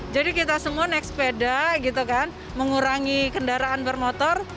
jadi kita semua naik sepeda gitu kan mengurangi kendaraan bermotor